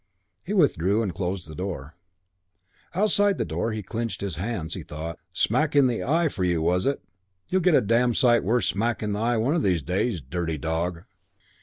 He withdrew and closed the door. Outside the door he clenched his hands. He thought, "Smack in the eye for you, was it? You'll get a damn sight worse smack in the eye one of these days. Dirty dog!"